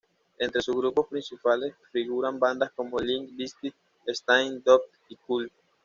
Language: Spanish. Entre sus grupos principales figuran bandas como Limp Bizkit, Staind, Dope, y Cold.